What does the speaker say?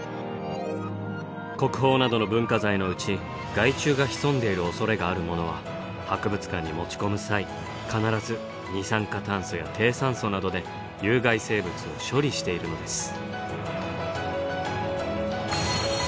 国宝などの文化財のうち害虫が潜んでいるおそれがあるものは博物館に持ち込む際必ず二酸化炭素や低酸素などで有害生物を処理しているのです。